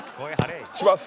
します！